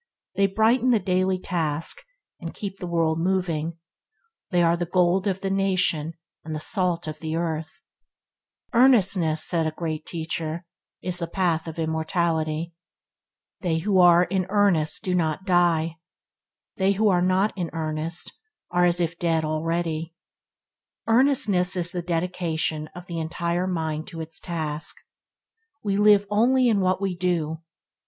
They brighten the daily task, and keep the world moving. They are the gold of the nation and the salt of the earth. "Earnestness", said a Great Teacher, "is the path of immortality. They who are in earnest do not die; they who are not in earnest are as if dead already". Earnestness is the dedication of the entire mind to its task. We live only in what we do.